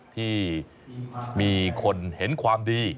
ที่มีคนเห็นความดี